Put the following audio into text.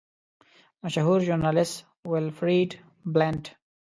مشهور ژورنالیسټ ویلفریډ بلنټ.